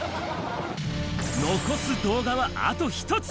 残す動画はあと１つ。